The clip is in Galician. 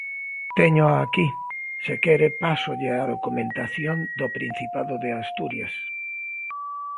Téñoa aquí, se quere pásolle a documentación do Principado de Asturias.